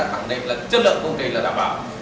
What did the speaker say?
khẳng định là chất lượng công trình là đảm bảo